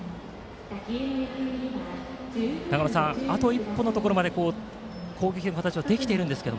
長野さん、あと一歩のところまで攻撃できていますが。